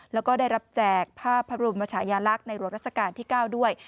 แล้วก็ได้รับแจกภาพรุมประชายาลักษณ์ในรวรัฐศกาลที่๙ด้วย